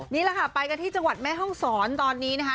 นี่แหละค่ะไปกันที่จังหวัดแม่ห้องศรตอนนี้นะคะ